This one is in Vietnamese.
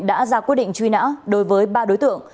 đã ra quyết định truy nã đối với ba đối tượng